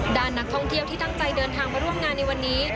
ด้านนักท่องเที่ยวที่ตั้งใจเดินทางมาร่วมงานในวันนี้